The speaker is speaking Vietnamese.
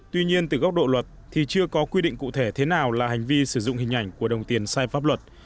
tuy nhiên từ góc độ luật thì chưa có quy định cụ thể thế nào là hành vi sử dụng hình ảnh của đồng tiền sai pháp luật